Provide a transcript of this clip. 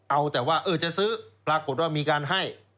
เอาแต่ว่าจะซื้อปรากฏว่ามีการให้